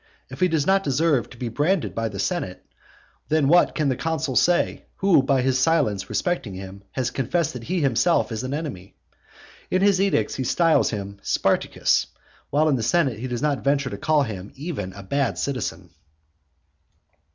If he does not deserve to be branded by the senate, then what can the consul say, who, by his silence respecting him, has confessed that he himself is an enemy? In his edicts he styles him Spartacus, while in the senate he does not venture to call him even a bad citizen.